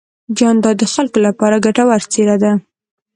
جانداد د خلکو لپاره ګټور څېرہ دی.